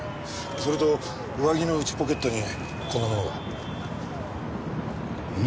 それと上着の内ポケットにこんなものが。